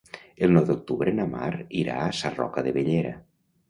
El nou d'octubre na Mar irà a Sarroca de Bellera.